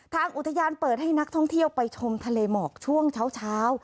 ทางอุทยานเปิดให้นักท่องเที่ยวไปชมทะเลหมอกช่วงเช้า